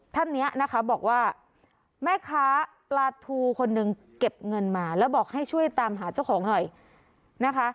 ท่านนี้นะคะบอกว่าแม่ค้าปลาทูคนหนึ่งเก็บเงินมาแล้วบอกให้ช่วยตามหาเจ้าของหน่อยนะคะ